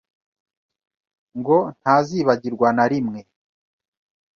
ngo ntazibagirwa na rimwe